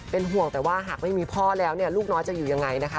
เป็นห่วงแต่ว่าหากไม่มีพ่อแล้วเนี่ยลูกน้อยจะอยู่ยังไงนะคะ